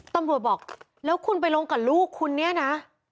ตำรวจบอกแล้วคุณไปลงกับลูกคุณเนี่ยนะ